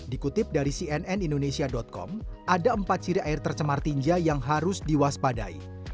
dikutip dari cnn indonesia com ada empat ciri air tercemar tinja yang harus diwaspadai